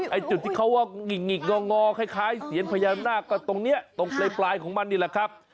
ไอ้จุดที่เขาว่าหงิกงอคล้ายเสียนพญานาคก็ตรงนี้ตรงปลายของมันนี่แหละครับ